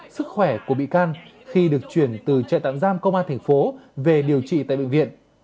sức khỏe của bị can khi được chuyển từ trại tạm giam công an thành phố về điều trị tại bệnh viện